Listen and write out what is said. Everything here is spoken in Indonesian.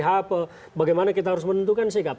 hp bagaimana kita harus menentukan sikap